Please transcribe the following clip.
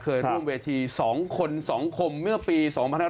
เคยร่วมเวที๒คน๒คมเมื่อปี๒๕๕๙